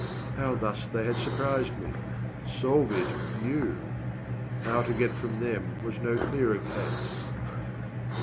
How thus they had surprised me solve it, you! How to get from them was no clearer case.